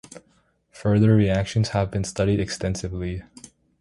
Further reactions have been studied extensively.